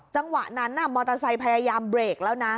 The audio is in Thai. จังหวะนั้นมอเตอร์ไซค์พยายามเบรกแล้วนะ